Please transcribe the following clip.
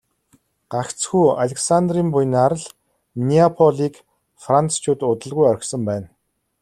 Гагцхүү Александрын буянаар л Неаполийг францчууд удалгүй орхисон байна.